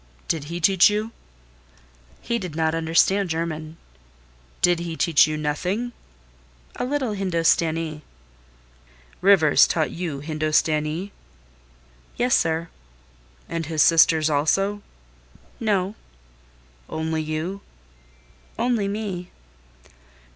"Did he teach you?" "He did not understand German." "Did he teach you nothing?" "A little Hindostanee." "Rivers taught you Hindostanee?" "Yes, sir." "And his sisters also?" "No." "Only you?" "Only me."